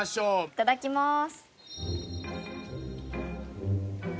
いただきます。